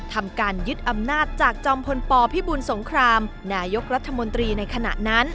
ทำการยึดอำนาจจากจอมพลปพิบูลสงครามนายกรัฐมนตรีในขณะนั้น